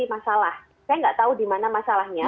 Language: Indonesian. masalah saya nggak tahu di mana masalahnya